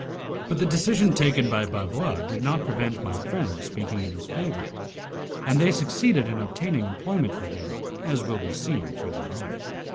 But the decision taken by Bavois did not prevent my friends speaking in his favour, and they succeeded in obtaining employment for him, as will be seen further on.